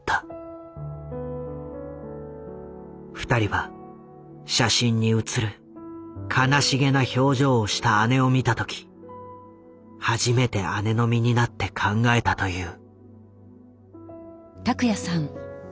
２人は写真に写る悲しげな表情をした姉を見た時初めて姉の身になって考えたという。